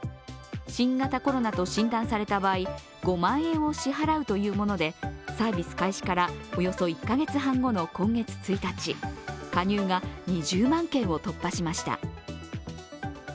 新型コロナと診断された場合、５万円を支払うというもので、サービス開始からおよそ１カ月半後の今月１日、加入が２０万件を突破しました。